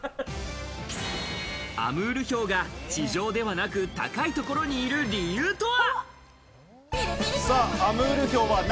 アムールヒョウが地上ではなく、高いところにいる理由とは？